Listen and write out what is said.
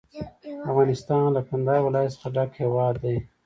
افغانستان له کندهار ولایت څخه ډک هیواد دی.